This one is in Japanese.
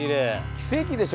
奇跡でしょ